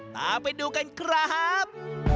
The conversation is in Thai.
ตามไปดูกันครับ